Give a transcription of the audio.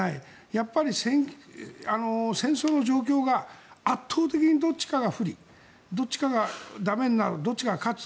やっぱり戦争の状況が圧倒的にどっちかが不利どっちかが駄目になるどっちかが勝つ。